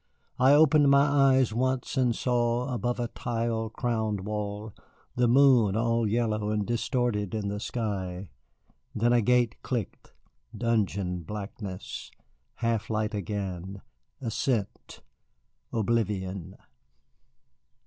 I opened my eyes once and saw, above a tile crowned wall, the moon all yellow and distorted in the sky. Then a gate clicked, dungeon blackness, half light again, ascent, oblivion.